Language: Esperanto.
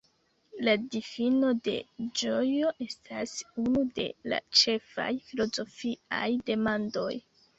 La difino de ĝojo estas unu de la ĉefaj filozofiaj demandoj.